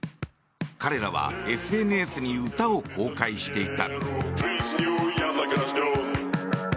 彼らはＳＮＳに歌を公開していた。